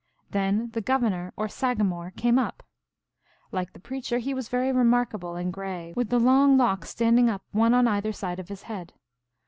Then the Governor, or Sagamore, came up. Like the preacher, he was very remarkable and gray, with the long locks standing up one on either side of his head.